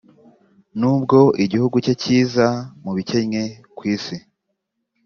nubwo igihugu cye kiza mu bikennye ku isi